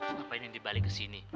ngapain ini balik ke sini